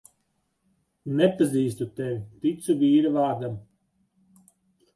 Nepazīstu tevi, ticu vīra vārdam.